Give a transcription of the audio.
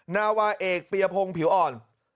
นาวาเอกปียพงศ์ผิวอ่อน